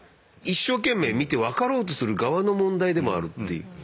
一生懸命見て分かろうとする側の問題でもあるっていう。